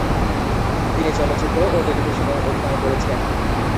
তিনি চলচ্চিত্র ও টেলিভিশনেও অভিনয় করেছেন।